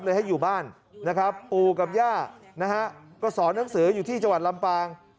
ให้อยู่บ้านนะครับปู่กับย่านะฮะก็สอนหนังสืออยู่ที่จังหวัดลำปาง